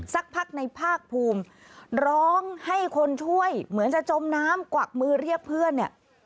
สักพักในภาคภูมิร้องให้คนช่วยเหมือนจะจมน้ำกวักมือเรียกเพื่อนเนี่ย